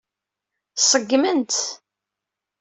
Ṣeggmen-tt.